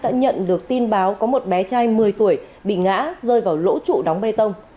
đã nhận được tin báo có một bé trai một mươi tuổi bị ngã rơi vào lỗ trụ đóng bê tông